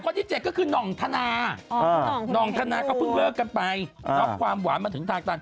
คนที่เจ็ดก็คือนองธนาก็เพิ่งเลิกกันไปความหวานมาถึงทางตาก